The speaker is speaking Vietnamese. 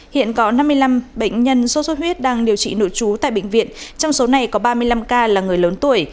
hiện có năm mươi năm bệnh nhân sốt xuất huyết đang điều trị nội trú tại bệnh viện trong số này có ba mươi năm ca là người lớn tuổi